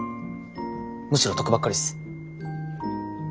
むしろ得ばっかりっす。